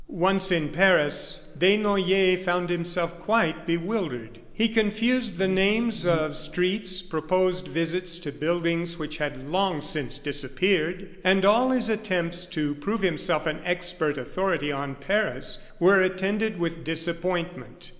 Once in Paris, Desnoyers found himself quite bewildered. He confused the names of streets, proposed visits to buildings which had long since disappeared, and all his attempts to prove himself an expert authority on Paris were attended with disappointment.